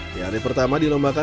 di hari pertama dilombakan